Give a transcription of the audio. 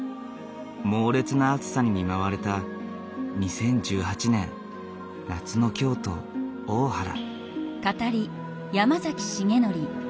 猛烈な暑さに見舞われた２０１８年夏の京都大原。